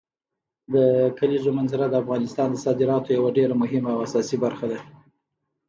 د کلیزو منظره د افغانستان د صادراتو یوه ډېره مهمه او اساسي برخه ده.